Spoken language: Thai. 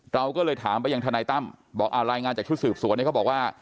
เราก็เลยถามไปยังทนายตั้มบอกอ่ารายงานจากชุดสืบสวนเนี่ยเขาบอกว่า